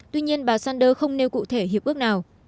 tuy nhiên bà sanders không nêu cụ thể hiệp ước nào